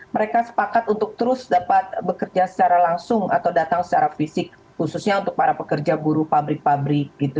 mereka sepakat untuk terus dapat bekerja secara langsung atau datang secara fisik khususnya untuk para pekerja buruh pabrik pabrik gitu